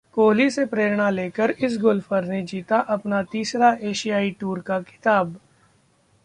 कोहली से प्रेरणा लेकर इस गोल्फर ने जीता अपना तीसरा एशियाई टूर का खिताब